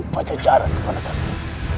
baca jarak kepadamu